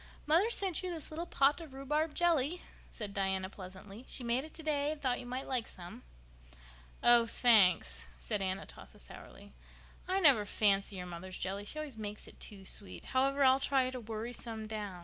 "Mother sent you this little pot of rhubarb jelly," said Diana pleasantly. "She made it today and thought you might like some." "Oh, thanks," said Aunt Atossa sourly. "I never fancy your mother's jelly—she always makes it too sweet. However, I'll try to worry some down.